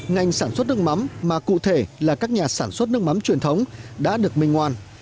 ngành sản xuất nước mắm mà cụ thể là các nhà sản xuất nước mắm truyền thống đã được minh ngoan